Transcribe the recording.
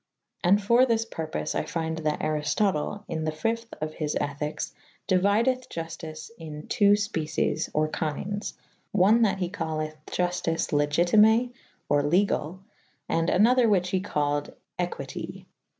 And for thys purpofe I fynde that Ariftotele in the .v.°of his ethikes deuideth Juftice in .ii.^ fpeces or kyndes/one that he calleth iuftice legitime or legall / and ■* an other whyche he called equyte.